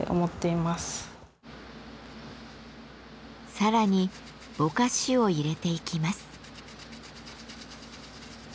更にぼかしを入れていきます。